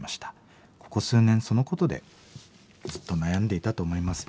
ここ数年そのことでずっと悩んでいたと思います。